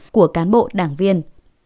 của cán bộ đảng viên